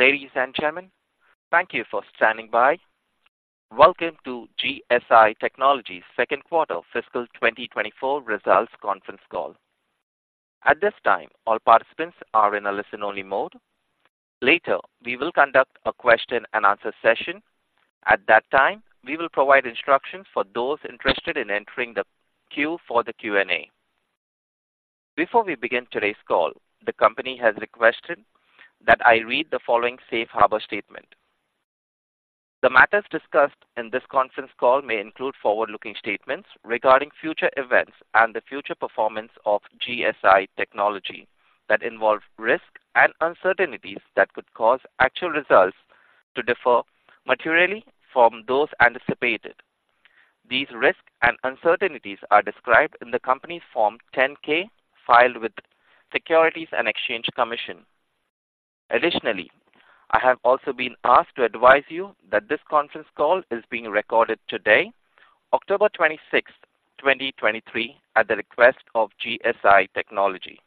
Ladies and gentlemen, thank you for standing by. Welcome to GSI Technology's second quarter fiscal 2024 results conference call. At this time, all participants are in a listen-only mode. Later, we will conduct a question-and-answer session. At that time, we will provide instructions for those interested in entering the queue for the Q&A. Before we begin today's call, the company has requested that I read the following safe harbor statement. The matters discussed in this conference call may include forward-looking statements regarding future events and the future performance of GSI Technology, that involve risks and uncertainties that could cause actual results to differ materially from those anticipated. These risks and uncertainties are described in the company's Form 10-K, filed with the Securities and Exchange Commission. Additionally, I have also been asked to advise you that this conference call is being recorded today, October 26, 2023, at the request of GSI Technology.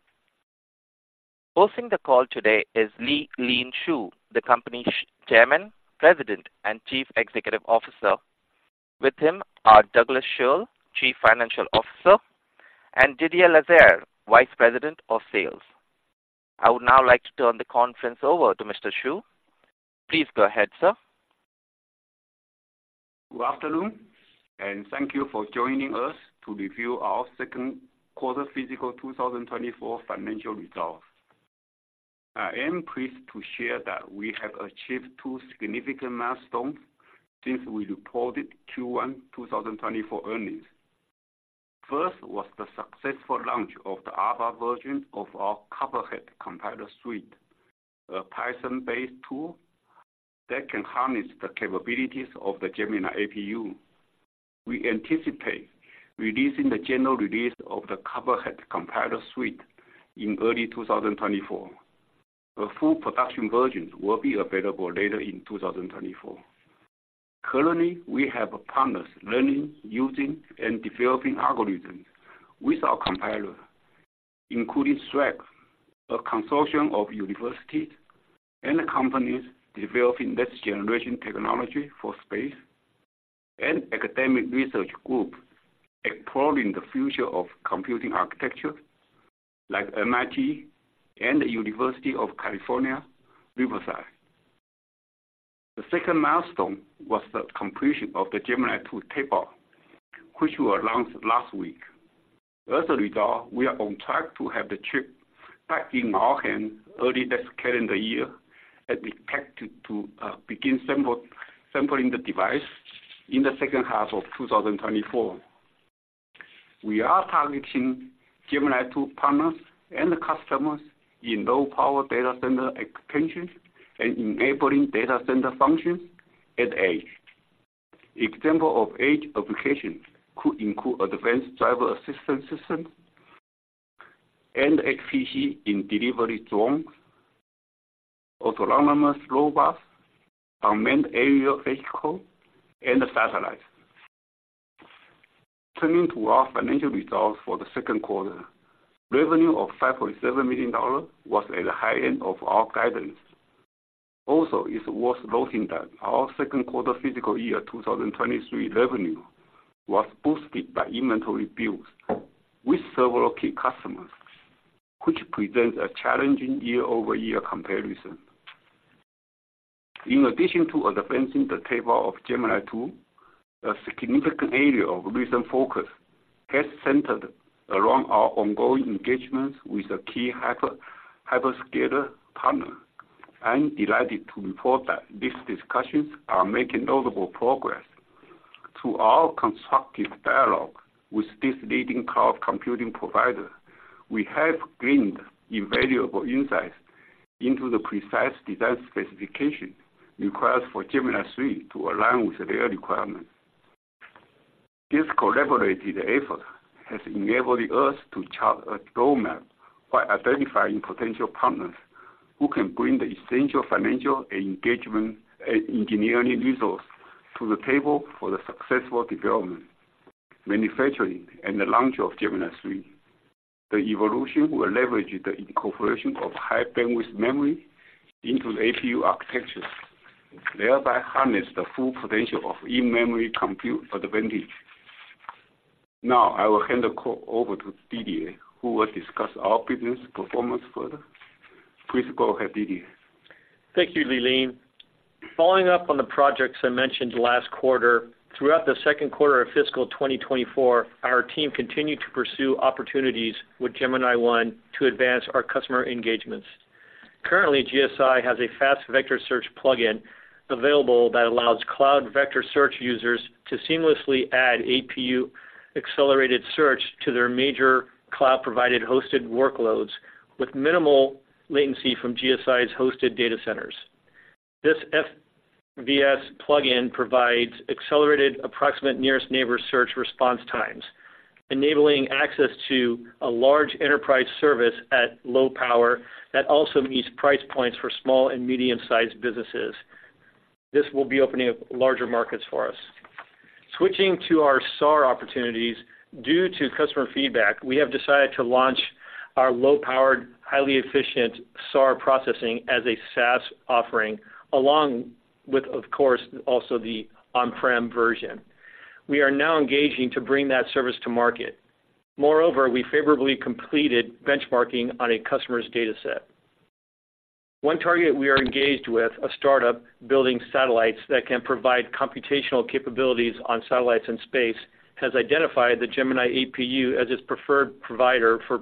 Hosting the call today is Lee-Lean Shu, the company's Chairman, President, and Chief Executive Officer. With him are Douglas Schirle, Chief Financial Officer, and Didier Lasserre, Vice President of Sales. I would now like to turn the conference over to Mr. Shu. Please go ahead, sir. Good afternoon, and thank you for joining us to review our second quarter fiscal 2024 financial results. I am pleased to share that we have achieved two significant milestones since we reported Q1 2024 earnings. First was the successful launch of the alpha version of our Copperhead Compiler Suite, a Python-based tool that can harness the capabilities of the Gemini APU. We anticipate releasing the general release of the Copperhead Compiler Suite in early 2024. A full production version will be available later in 2024. Currently, we have partners learning, using, and developing algorithms with our compiler, including SHREC, a consortium of universities and companies developing next-generation technology for space and academic research groups exploring the future of computing architecture, like MIT and the University of California, Riverside. The second milestone was the completion of the Gemini-II tape-out, which was announced last week. As a result, we are on track to have the chip back in our hands early this calendar year, and we expect to begin sampling the device in the second half of 2024. We are targeting Gemini-II partners and customers in low-power data center extensions and enabling data center functions at edge. Example of edge applications could include advanced driver assistance systems and HPC in delivery drones, autonomous robots, unmanned aerial vehicles, and satellites. Turning to our financial results for the second quarter. Revenue of $5.7 million was at the high end of our guidance. Also, it's worth noting that our second quarter fiscal year 2023 revenue was boosted by inventory builds with several key customers, which presents a challenging year-over-year comparison. In addition to advancing the tape-out of Gemini-II, a significant area of recent focus has centered around our ongoing engagements with a key hyperscaler partner. I'm delighted to report that these discussions are making notable progress. Through our constructive dialogue with this leading cloud computing provider, we have gained invaluable insights into the precise design specifications required for Gemini-III to align with their requirements. This collaborative effort has enabled us to chart a roadmap by identifying potential partners who can bring the essential financial, engagement, and engineering resources to the table for the successful development, manufacturing, and the launch of Gemini-III. The evolution will leverage the incorporation of high-bandwidth memory into the APU architectures, thereby harnessing the full potential of in-memory compute advantage. Now, I will hand the call over to Didier, who will discuss our business performance further. Please go ahead, Didier. Thank you, Lee-Lean. Following up on the projects I mentioned last quarter, throughout the second quarter of fiscal 2024, our team continued to pursue opportunities with Gemini-I to advance our customer engagements. Currently, GSI has a Fast Vector Search plugin available that allows cloud vector search users to seamlessly add APU-accelerated search to their major cloud-provided hosted workloads with minimal latency from GSI's hosted data centers. This FVS plugin provides accelerated approximate nearest neighbor search response times, enabling access to a large enterprise service at low power that also meets price points for small and medium-sized businesses. This will be opening up larger markets for us. Switching to our SAR opportunities, due to customer feedback, we have decided to launch our low-powered, highly efficient SAR processing as a SaaS offering, along with, of course, also the on-prem version. We are now engaging to bring that service to market. Moreover, we favorably completed benchmarking on a customer's data set. One target we are engaged with, a startup building satellites that can provide computational capabilities on satellites in space, has identified the Gemini APU as its preferred provider for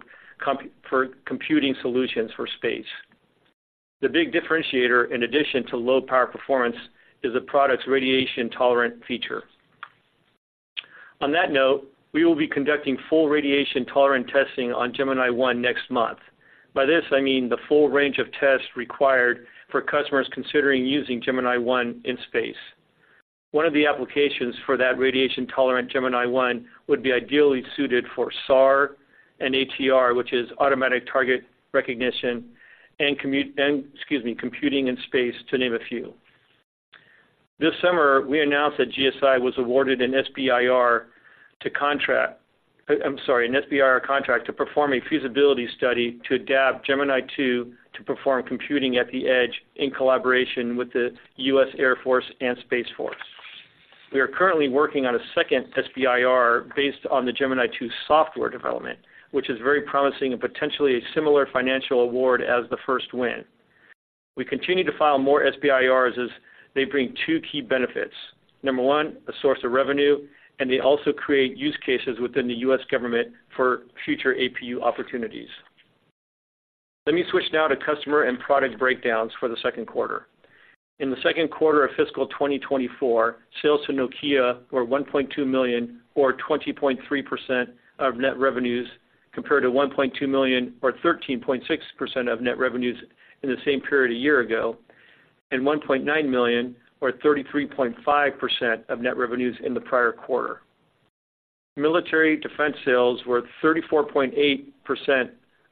computing solutions for space. The big differentiator, in addition to low power performance, is the product's radiation-tolerant feature. On that note, we will be conducting full radiation-tolerant testing on Gemini-I next month. By this, I mean the full range of tests required for customers considering using Gemini-I in space. One of the applications for that radiation-tolerant Gemini-I would be ideally suited for SAR and ATR, which is automatic target recognition, and excuse me, computing in space, to name a few. This summer, we announced that GSI was awarded an SBIR contract to perform a feasibility study to adapt Gemini-II to perform computing at the edge in collaboration with the U.S. Air Force and Space Force. We are currently working on a second SBIR based on the Gemini-II software development, which is very promising and potentially a similar financial award as the first win. We continue to file more SBIRs as they bring two key benefits: number one, a source of revenue, and they also create use cases within the U.S. government for future APU opportunities. Let me switch now to customer and product breakdowns for the second quarter. In the second quarter of fiscal 2024, sales to Nokia were $1.2 million, or 20.3% of net revenues, compared to $1.2 million or 13.6% of net revenues in the same period a year ago, and $1.9 million or 33.5% of net revenues in the prior quarter. Military defense sales were 34.8%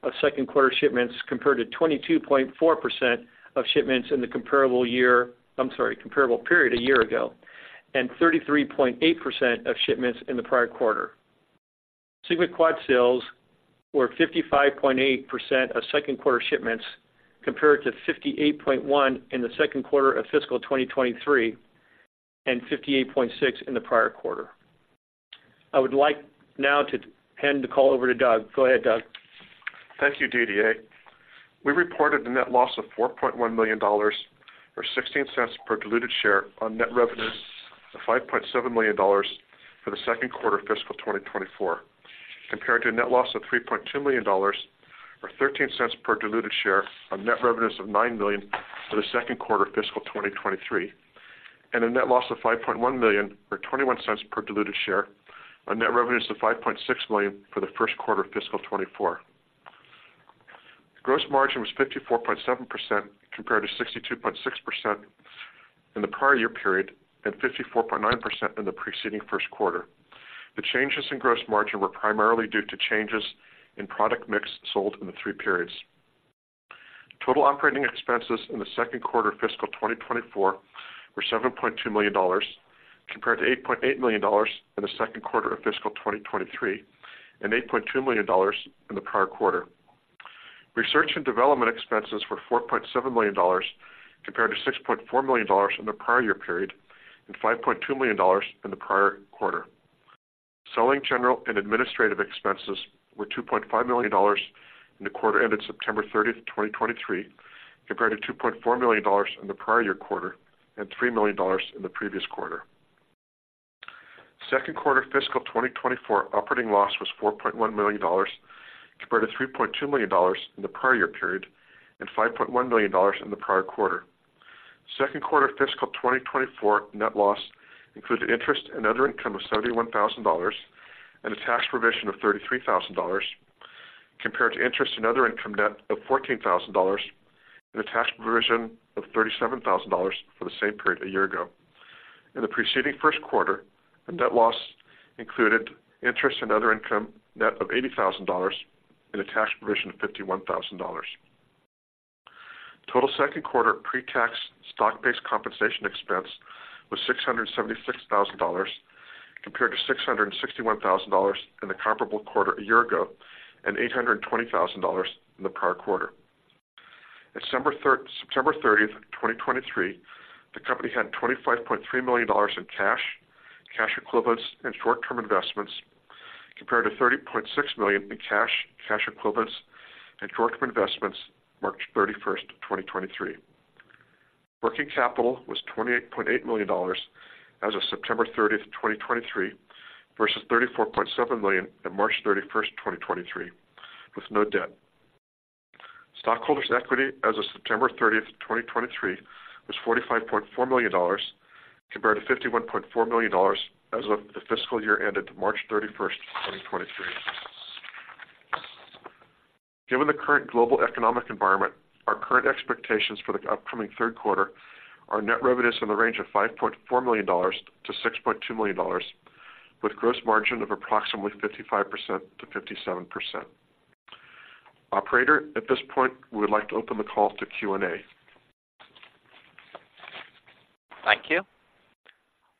of second-quarter shipments, compared to 22.4% of shipments in the comparable year, I'm sorry, comparable period a year ago, and 33.8% of shipments in the prior quarter. SigmaQuad sales were 55.8% of second-quarter shipments, compared to 58.1% in the second quarter of fiscal 2023, and 58.6% in the prior quarter. I would like now to hand the call over to Doug. Go ahead, Doug. Thank you, Didier. We reported a net loss of $4.1 million, or $0.16 per diluted share on net revenues of $5.7 million for the second quarter of fiscal 2024, compared to a net loss of $3.2 million or $0.13 per diluted share on net revenues of $9 million for the second quarter of fiscal 2023, and a net loss of $5.1 million or $0.21 per diluted share on net revenues of $5.6 million for the first quarter of fiscal 2024. Gross margin was 54.7%, compared to 62.6% in the prior year period and 54.9% in the preceding first quarter. The changes in gross margin were primarily due to changes in product mix sold in the three periods. Total operating expenses in the second quarter of fiscal 2024 were $7.2 million, compared to $8.8 million in the second quarter of fiscal 2023, and $8.2 million in the prior quarter. Research and development expenses were $4.7 million, compared to $6.4 million in the prior year period and $5.2 million in the prior quarter. Selling general and administrative expenses were $2.5 million in the quarter ended September 30, 2023, compared to $2.4 million in the prior year quarter and $3 million in the previous quarter. Second quarter fiscal 2024 operating loss was $4.1 million, compared to $3.2 million in the prior year period and $5.1 million in the prior quarter. Second quarter fiscal 2024 net loss included interest and other income of $71,000 and a tax provision of $33,000, compared to interest and other income net of $14,000 and a tax provision of $37,000 for the same period a year ago. In the preceding first quarter, the net loss included interest and other income net of $80,000 and a tax provision of $51,000. Total second quarter pre-tax stock-based compensation expense was $676,000, compared to $661,000 in the comparable quarter a year ago and $820,000 in the prior quarter. September 30, 2023, the company had $25.3 million in cash, cash equivalents, and short-term investments, compared to $30.6 million in cash, cash equivalents, and short-term investments March 31, 2023. Working capital was $28.8 million as of September 30, 2023, versus $34.7 million on March 31, 2023, with no debt. Stockholders equity as of September 30, 2023, was $45.4 million, compared to $51.4 million as of the fiscal year ended March 31st, 2023. Given the current global economic environment, our current expectations for the upcoming third quarter are net revenues in the range of $5.4 million-$6.2 million, with gross margin of approximately 55%-57%. Operator, at this point, we would like to open the call to Q&A. Thank you.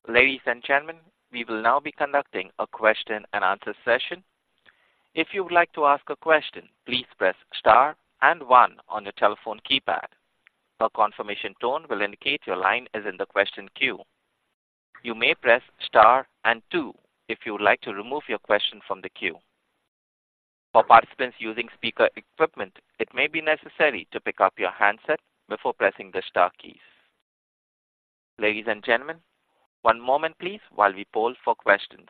Ladies and gentlemen, we will now be conducting a question and answer session. If you would like to ask a question, please press star and one on your telephone keypad. A confirmation tone will indicate your line is in the question queue. You may press star and two if you would like to remove your question from the queue. For participants using speaker equipment, it may be necessary to pick up your handset before pressing the star keys. Ladies and gentlemen, one moment please, while we poll for questions.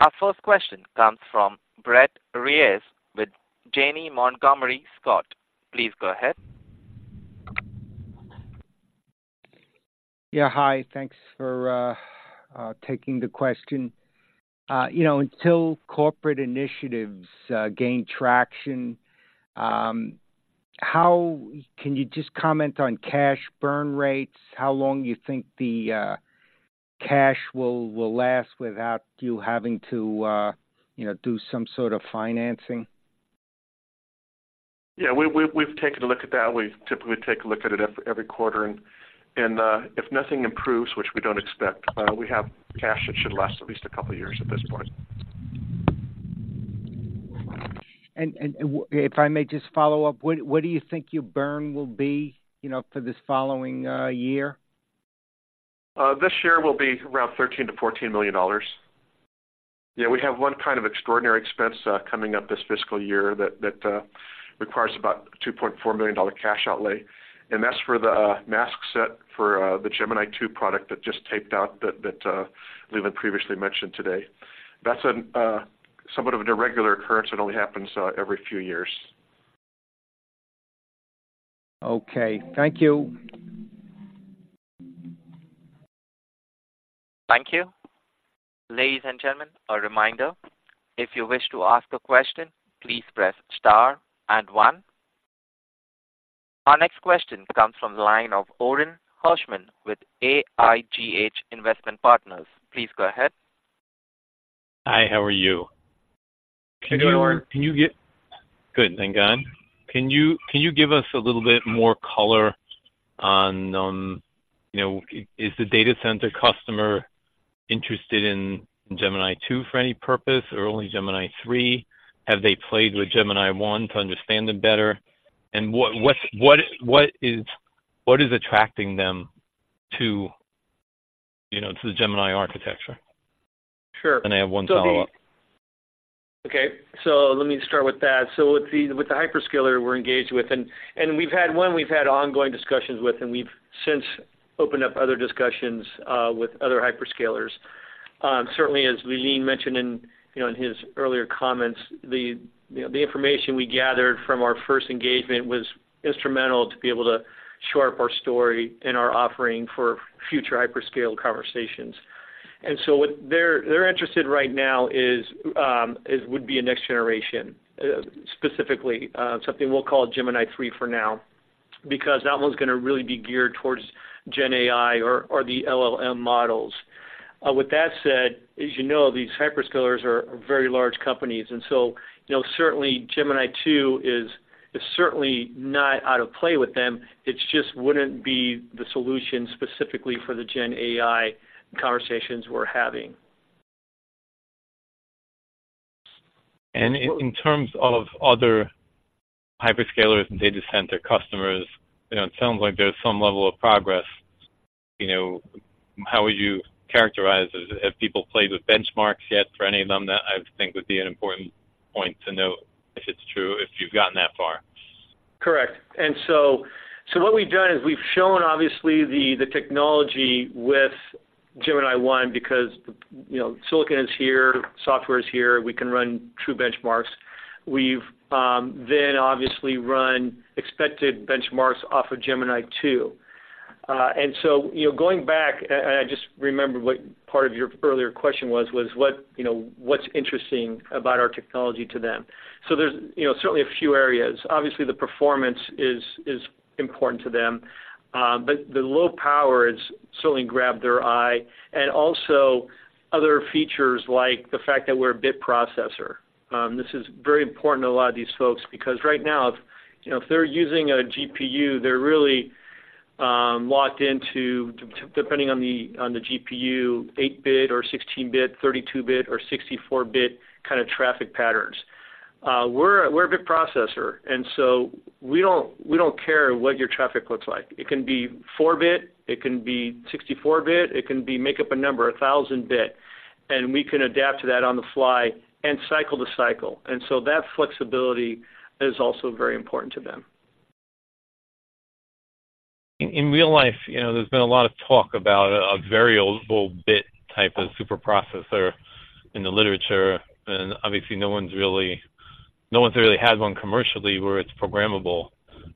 Our first question comes from Brett Reiss with Janney Montgomery Scott. Please go ahead. Yeah, hi. Thanks for taking the question. You know, until corporate initiatives gain traction, can you just comment on cash burn rates? How long you think the cash will last without you having to, you know, do some sort of financing? Yeah, we've taken a look at that. We typically take a look at it every quarter, and if nothing improves, which we don't expect, we have cash that should last at least a couple of years at this point. If I may just follow up, what do you think your burn will be, you know, for this following year? This year will be around $13 million-$14 million. Yeah, we have one kind of extraordinary expense coming up this fiscal year that requires about $2.4 million dollar cash outlay, and that's for the mask set for the Gemini-II product that just taped out that Lee-Lean previously mentioned today. That's somewhat of an irregular occurrence that only happens every few years. Okay, thank you. Thank you. Ladies and gentlemen, a reminder, if you wish to ask a question, please press star and one. Our next question comes from the line of Orin Hirschman with AIGH Investment Partners. Please go ahead. Hi, how are you? Hey, Orin. Can you get. Good, thank God. Can you give us a little bit more color on, you know, is the data center customer interested in Gemini-II for any purpose, or only Gemini-III? Have they played with Gemini-I to understand them better? And what is attracting them to, you know, to the Gemini architecture? Sure. I have one follow-up. Okay, so let me start with that. So with the hyperscaler we're engaged with, and we've had ongoing discussions with, and we've since opened up other discussions with other hyperscalers. Certainly as Lee-Lean mentioned in, you know, in his earlier comments, you know, the information we gathered from our first engagement was instrumental to be able to shore up our story and our offering for future hyperscale conversations. And so what they're interested right now is would be a next generation, specifically, something we'll call Gemini-III for now, because that one's gonna really be geared towards GenAI or the LLM models. With that said, as you know, these hyperscalers are very large companies, and so you know, certainly Gemini-II is certainly not out of play with them. It just wouldn't be the solution specifically for the GenAI conversations we're having. In terms of other hyperscalers and data center customers, you know, it sounds like there's some level of progress. You know, how would you characterize it? Have people played with benchmarks yet for any of them? That I think would be an important point to note, if it's true, if you've gotten that far. Correct. And so, so what we've done is we've shown obviously, the, the technology with Gemini-I, because, you know, silicon is here, software is here, we can run true benchmarks. We've then obviously run expected benchmarks off of Gemini-II. And so, you know, going back, and, and I just remembered what part of your earlier question was, was what, you know, what's interesting about our technology to them. So there's, you know, certainly a few areas. Obviously, the performance is, is important to them, but the low power has certainly grabbed their eye and also other features like the fact that we're a bit processor. This is very important to a lot of these folks, because right now, if, you know, if they're using a GPU, they're really locked into, depending on the, on the GPU, 8-bit or 16-bit, 32-bit, or 64-bit kind of traffic patterns. We're a, we're a bit processor, and so we don't, we don't care what your traffic looks like. It can be 4-bit, it can be 64-bit, it can be, make up a number, 1,000-bit, and we can adapt to that on the fly and cycle to cycle. And so that flexibility is also very important to them. In real life, you know, there's been a lot of talk about a variable bit type of super processor in the literature, and obviously no one's really had one commercially where it's programmable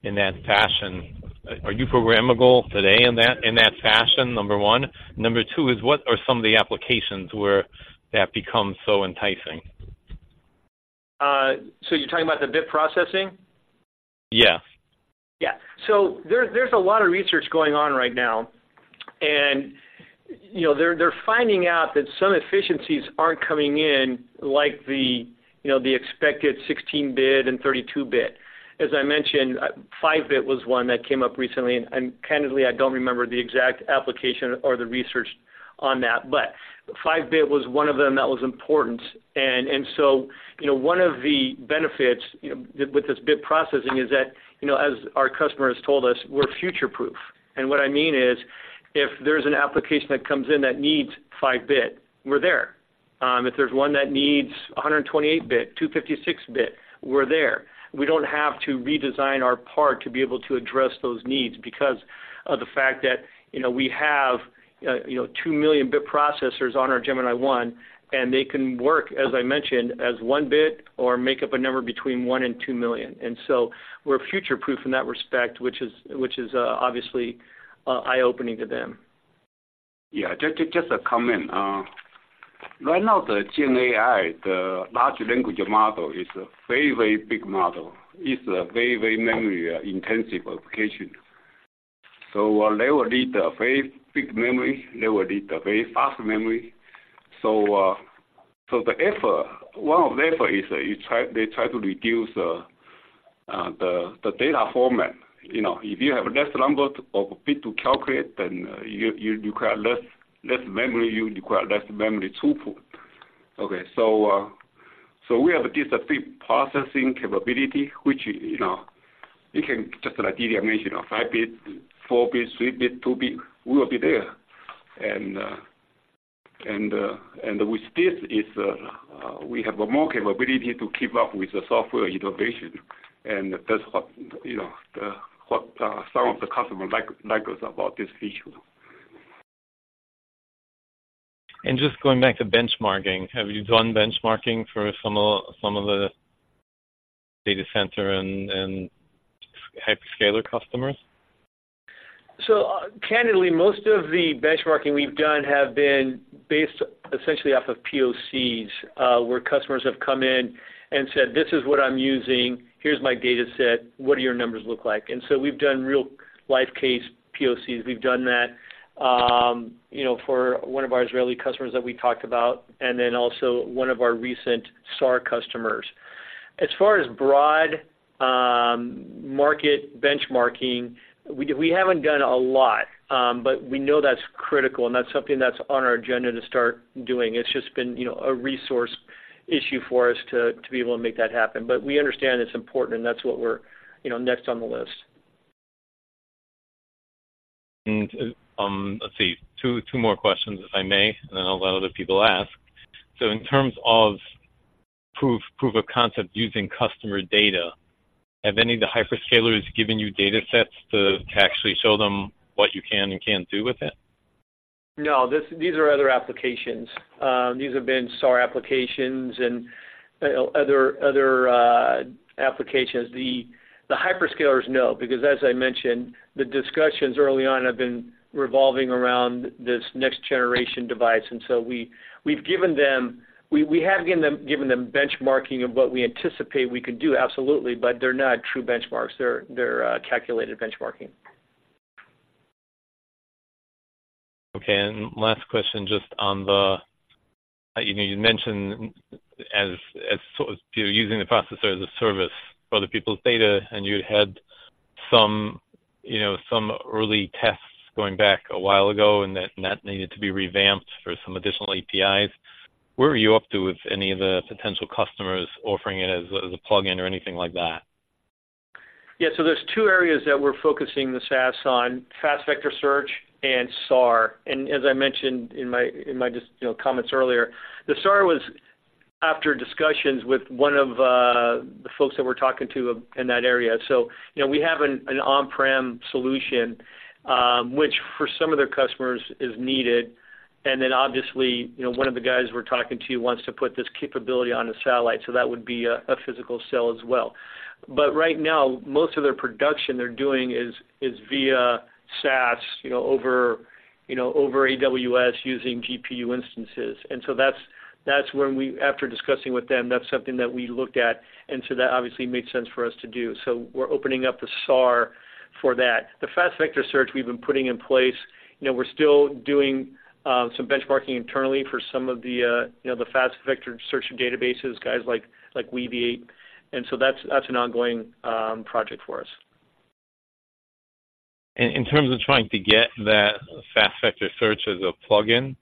in that fashion. Are you programmable today in that fashion? Number one. Number two is, what are some of the applications where that becomes so enticing? You're talking about the bit processing? Yeah. Yeah. So there, there's a lot of research going on right now, and, you know, they're, they're finding out that some efficiencies aren't coming in like the, you know, the expected 16-bit and 32-bit. As I mentioned, 5-bit was one that came up recently, and candidly, I don't remember the exact application or the research on that, but 5-bit was one of them that was important. And, and so, you know, one of the benefits, you know, with this bit processing is that, you know, as our customers told us, we're future-proof. And what I mean is, if there's an application that needs 5-bit, we're there. If there's one that needs a 128-bit, 256-bit, we're there. We don't have to redesign our part to be able to address those needs because of the fact that, you know, we have, you know, 2 million bit processors on our Gemini-I, and they can work, as I mentioned, as 1 bit or make up a number between 1 and 2 million. And so we're future-proof in that respect, which is, which is, obviously, eye-opening to them. Yeah, just, just, just a comment. Right now, the Gemini, the large language model, is a very, very big model. It's a very, very memory intensive application. They will need a very big memory, they will need a very fast memory. The effort, one of the effort is you try, they try to reduce the data format. You know, if you have less number of bit to calculate, then you require less, less memory, you require less memory throughput. We have this bit processing capability, which, you know, it can, just like Didier mentioned, you know, 5-bit, 4-bit, 3-bit, 2-bit, we will be there. We have more capability to keep up with the software innovation, and that's what, you know, some of the customers like about this feature. Just going back to benchmarking, have you done benchmarking for some of the data center and hyperscaler customers? So candidly, most of the benchmarking we've done have been based essentially off of POCs, where customers have come in and said, "This is what I'm using. Here's my data set. What do your numbers look like?" And so we've done real-life case POCs. We've done that, you know, for one of our Israeli customers that we talked about, and then also one of our recent SAR customers. As far as broad, market benchmarking, we haven't done a lot, but we know that's critical, and that's something that's on our agenda to start doing. It's just been, you know, a resource issue for us to be able to make that happen. But we understand it's important, and that's what we're, you know, next on the list. Let's see, two more questions, if I may, and then I'll let other people ask. So in terms of proof of concept using customer data, have any of the hyperscalers given you data sets to actually show them what you can and can't do with it? No, this, these are other applications. These have been SAR applications and other, other applications. The hyperscalers, no, because as I mentioned, the discussions early on have been revolving around this next generation device, and so we've given them. We have given them benchmarking of what we anticipate we could do, absolutely, but they're not true benchmarks. They're calculated benchmarking. Okay, and last question, just on the, you know, you mentioned as, you know, using the processor as a service for the people's data, and you had some, you know, some early tests going back a while ago, and that needed to be revamped for some additional APIs. Where are you up to with any of the potential customers offering it as a plugin or anything like that? Yeah, so there's two areas that we're focusing the SaaS on: Fast Vector Search and SAR. As I mentioned in my, in my just, you know, comments earlier, the SAR was after discussions with one of the folks that we're talking to in that area. You know, we have an on-prem solution, which for some of their customers is needed. Obviously, you know, one of the guys we're talking to wants to put this capability on a satellite, so that would be a physical sale as well. Right now, most of their production they're doing is via SaaS, you know, over AWS, using GPU instances. That's when we, after discussing with them, that's something that we looked at, and so that obviously made sense for us to do. So we're opening up the SAR for that. The Fast Vector Search we've been putting in place, you know, we're still doing some benchmarking internally for some of the, you know, the Fast Vector Search databases, guys like, like Weaviate. And so that's, that's an ongoing project for us. In terms of trying to get that Fast Vector Search as a plugin,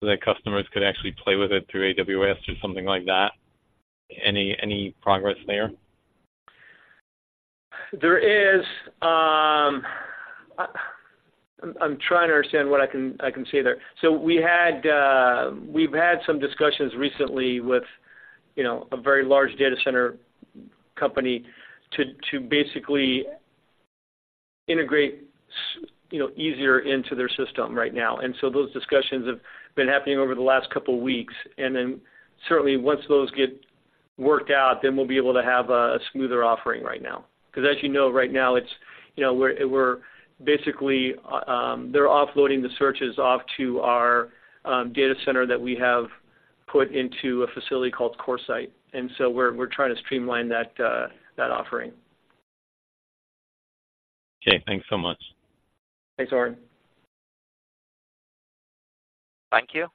so that customers could actually play with it through AWS or something like that, any, any progress there? There is. I'm trying to understand what I can say there. So we had, we've had some discussions recently with, you know, a very large data center company to basically integrate you know, easier into their system right now. And so those discussions have been happening over the last couple weeks, and then certainly once those get worked out, then we'll be able to have a smoother offering right now. Because as you know, right now, it's, you know, we're basically, they're offloading the searches off to our data center that we have put into a facility called CoreSite. And so we're trying to streamline that offering. Okay, thanks so much. Thanks, Orin. Thank you.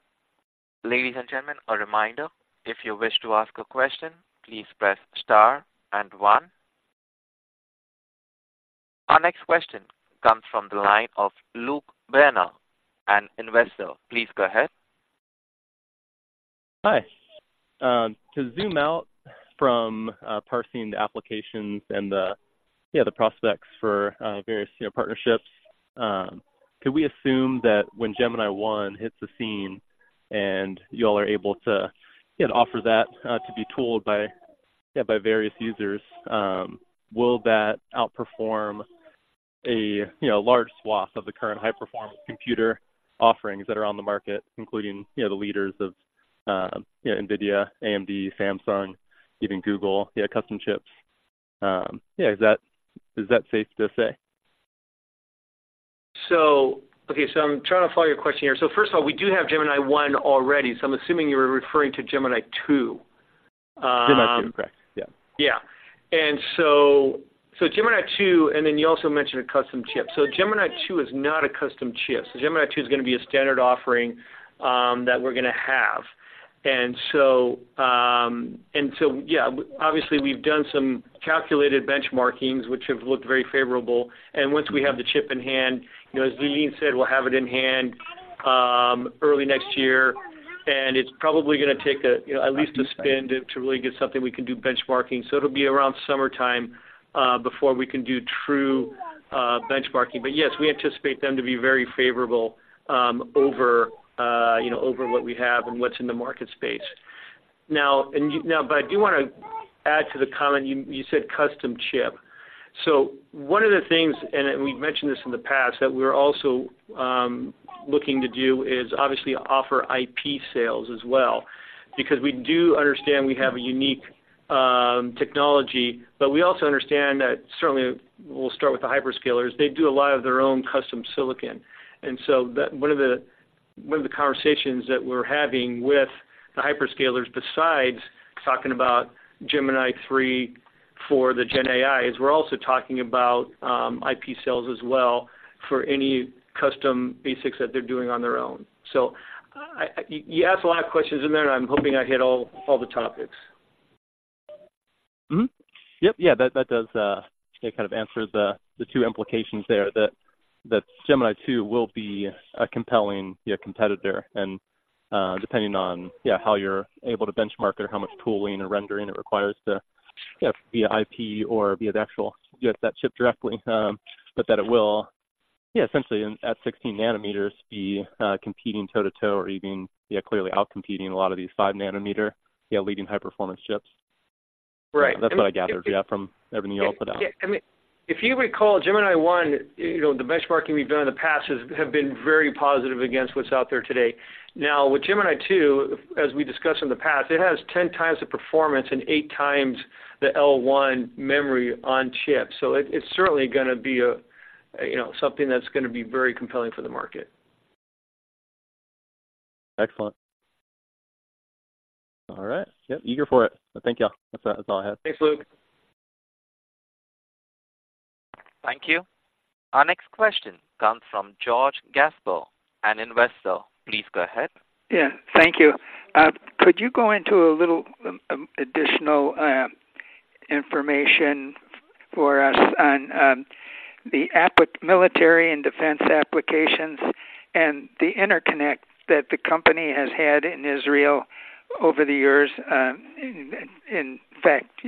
Ladies and gentlemen, a reminder, if you wish to ask a question, please press star and one. Our next question comes from the line of Luke Bohn, an investor. Please go ahead. Hi. To zoom out from parsing the applications and the, yeah, the prospects for various, you know, partnerships, could we assume that when Gemini-I hits the scene and you all are able to, you know, offer that to be tooled by, yeah, by various users, will that outperform a, you know, large swath of the current high-performance computer offerings that are on the market, including, you know, the leaders of you know, NVIDIA, AMD, Samsung, even Google, yeah, custom chips? Yeah, is that, is that safe to say? So, okay, so I'm trying to follow your question here. So first of all, we do have Gemini-I already, so I'm assuming you were referring to Gemini-II. Gemini-II, correct. Yeah. Yeah. Gemini-II, and then you also mentioned a custom chip. Gemini-II is not a custom chip. Gemini-II is going to be a standard offering that we're going to have. Yeah, obviously, we've done some calculated benchmarkings, which have looked very favorable. And once we have the chip in hand, you know, as Lee-Lean said, we'll have it in hand early next year, and it's probably going to take at least a spin to really get something we can do benchmarking. It'll be around summertime before we can do true benchmarking. Yes, we anticipate them to be very favorable over what we have and what's in the market space now. Now, I do want to add to the comment, you said custom chip. One of the things, and we've mentioned this in the past, that we're also looking to do is obviously offer IP sales as well, because we do understand we have a unique technology, but we also understand that certainly we'll start with the hyperscalers. They do a lot of their own custom silicon. One of the conversations that we're having with the hyperscalers, besides talking about Gemini-III for the GenAI, is we're also talking about IP sales as well for any custom ASICs that they're doing on their own. You asked a lot of questions in there, and I'm hoping I hit all the topics. Mm-hmm. Yep. Yeah, that does kind of answer the two implications there, that Gemini-II will be a compelling, yeah, competitor, and, depending on, yeah, how you're able to benchmark or how much tooling or rendering it requires to, yeah, via IP or via the actual, yes, that chip directly, but that it will, yeah, essentially at 16 nm, be competing toe-to-toe or even, yeah, clearly outcompeting a lot of these 5 nm, yeah, leading high-performance chips. Right. That's what I gathered, yeah, from everything you all put out. Yeah, I mean, if you recall, Gemini-I, you know, the benchmarking we've done in the past has, have been very positive against what's out there today. Now, with Gemini-II, as we discussed in the past, it has 10x the performance and 8 x the L1 memory on chip. So it, it's certainly gonna be a, you know, something that's gonna be very compelling for the market. Excellent. All right. Yep, eager for it. Thank you all. That's, that's all I have. Thanks, Luke. Thank you. Our next question comes from George Gaspar, an investor. Please go ahead. Yeah, thank you. Could you go into a little additional information for us on the APU military and defense applications and the interconnect that the company has had in Israel over the years? In fact,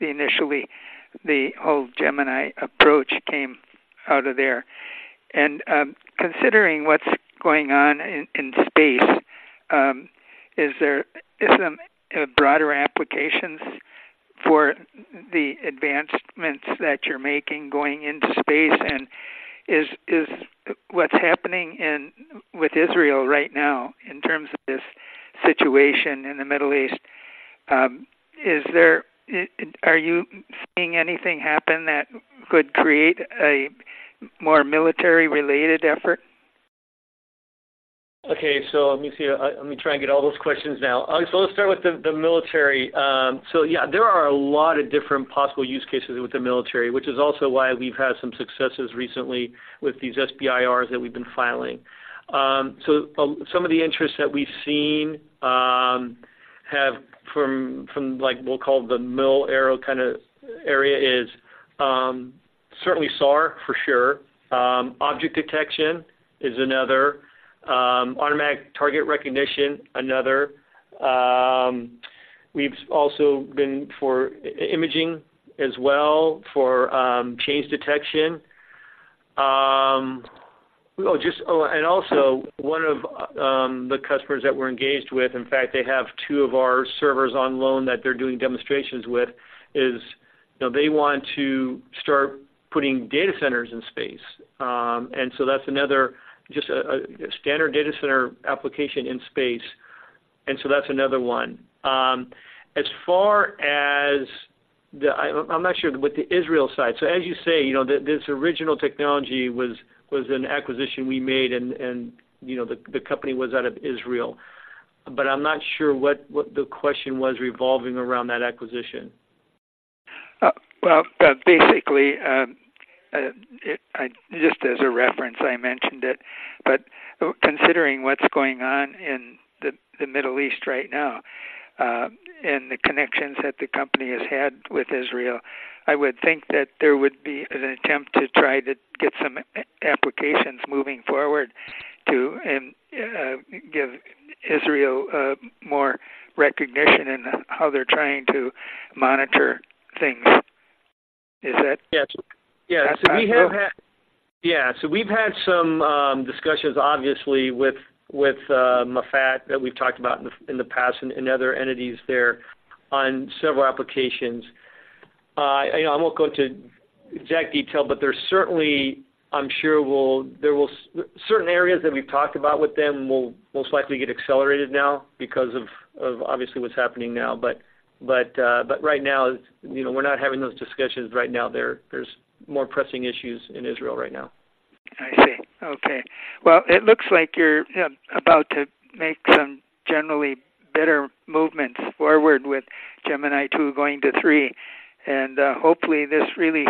initially, the whole Gemini approach came out of there. And considering what's going on in space, is there broader applications for the advancements that you're making going into space? And what's happening in with Israel right now, in terms of this situation in the Middle East, is there. are you seeing anything happen that could create a more military-related effort? Okay, so let me see. Let me try and get all those questions now. So let's start with the military. So yeah, there are a lot of different possible use cases with the military, which is also why we've had some successes recently with these SBIRs that we've been filing. So some of the interests that we've seen have from, from like, we'll call the mil-aero kind of area is certainly SAR, for sure. Object detection is another, automatic target recognition, another. We've also been for imaging as well, for change detection. Oh, and also one of the customers that we're engaged with, in fact, they have two of our servers on loan that they're doing demonstrations with, is, you know, they want to start putting data centers in space. And so that's another just a standard data center application in space, and so that's another one. I'm not sure with the Israel side. So as you say, you know, this original technology was an acquisition we made, and you know, the company was out of Israel. But I'm not sure what the question was revolving around that acquisition. Well, basically, just as a reference, I mentioned it, but considering what's going on in the Middle East right now, and the connections that the company has had with Israel, I would think that there would be an attempt to try to get some applications moving forward to, and give Israel more recognition in how they're trying to monitor things. Is that? Yes. Yeah, so we have had. Okay. Yeah, so we've had some discussions obviously, with MAFAT, that we've talked about in the past and other entities there on several applications. I won't go into exact detail, but there's certainly .I'm sure we'll, there will certain areas that we've talked about with them will most likely get accelerated now because of obviously, what's happening now. But, but, but right now, you know, we're not having those discussions right now. There's more pressing issues in Israel right now. I see. Okay. Well, it looks like you're about to make some generally better movements forward with Gemini-II going to Gemini-III. Hopefully, this really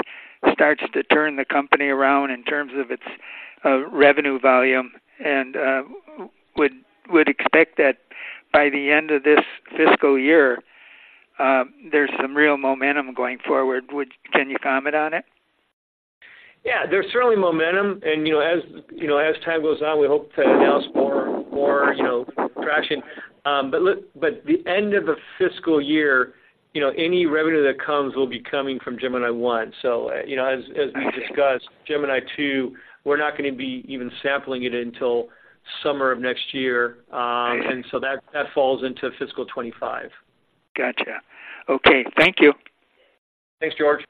starts to turn the company around in terms of its revenue volume, and would expect that by the end of this fiscal year, there's some real momentum going forward. Can you comment on it? Yeah, there's certainly momentum, and, you know, as, you know, as time goes on, we hope to announce more, more, you know, traction. But look, but the end of the fiscal year, you know, any revenue that comes will be coming from Gemini-I. So, you know, as, as we discussed, Gemini-II, we're not going to be even sampling it until summer of next year. And so that, that falls into fiscal 2025. Gotcha. Okay. Thank you. Thanks, George.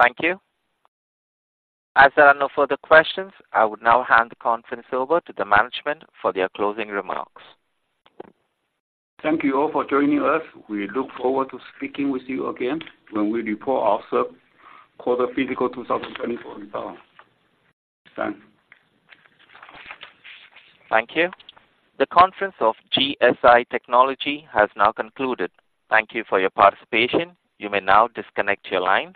Thank you. As there are no further questions, I would now hand the conference over to the management for their closing remarks. Thank you all for joining us. We look forward to speaking with you again when we report our third quarter fiscal 2024 results. Thanks. Thank you. The conference of GSI Technology has now concluded. Thank you for your participation. You may now disconnect your line.